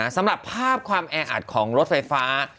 สำหรับภาพความแออัดของรถไฟฟ้า